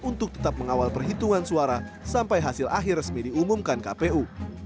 untuk tetap mengawal perhitungan suara sampai hasil akhir resmi diumumkan kpu